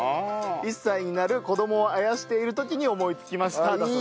１歳になる子供をあやしてる時に思いつきましただそうです。